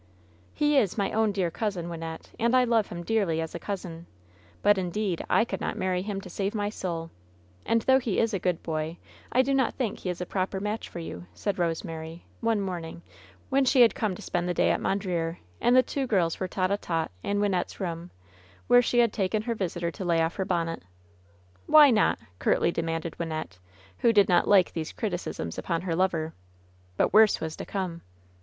"He is my own dear cousin, Wyimette, and I love him dearly as a cousin ; but, indeed, I could not marry him to save my soul I And though he is a good boy, I do not think he is a proper match for you," said Rosemary, one morning, when she had come to spend the day at Mon dreer, and the two girls were tete a tete in Wynnette'a room, where she had taken her visitor to lay off her bonnet. , "Why not V^ curtly demanded Wynnette, who did not like these criticisms upon her lover. But worse was to come.